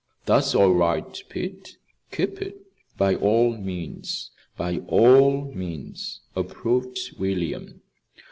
"That's all right, Pete; keep it, by all means, by all means," approved William.